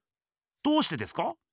どうしてですか？